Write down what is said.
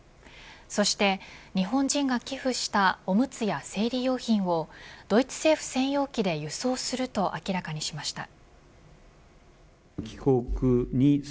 そして日本人が寄付したおむつや生理用品をドイツ政府専用機で輸送すると明らかにしました。